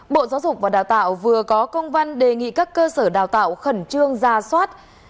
bộ giáo dục và đào tạo vừa có công văn đề nghị các cơ sở đào tạo khẩn trương ra soát